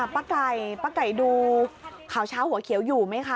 ป้าไก่ป้าไก่ดูข่าวเช้าหัวเขียวอยู่ไหมคะ